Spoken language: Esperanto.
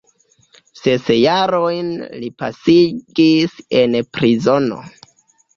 Ses jarojn li pasigis en prizono.